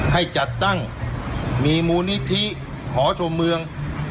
ให้จัดตั้งมีมูลนิธิหอชมเมือง